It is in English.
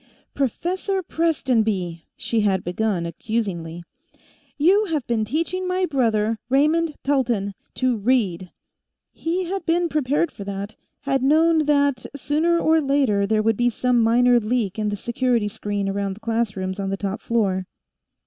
"Professor Prestonby," she had begun, accusingly, "you have been teaching my brother, Raymond Pelton, to read!" He had been prepared for that; had known that sooner or later there would be some minor leak in the security screen around the classrooms on the top floor.